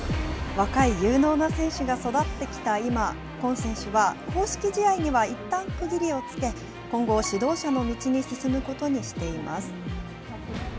若い有能な選手が育ってきた今、今選手は公式試合にはいったん区切りをつけ、今後、指導者の道に進むことにしています。